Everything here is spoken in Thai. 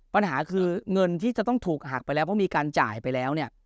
ปัญหาคือเงินที่จะต้องถูกหักไปแล้วเพราะมีการจ่ายไปแล้วเนี่ย